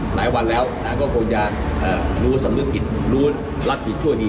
หลายวันแล้วนะครับก็คงจะเอ่อรู้สำเร็จอิตรู้รับศิลป์ดี